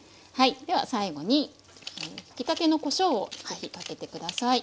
では最後にひきたてのこしょうを是非かけて下さい。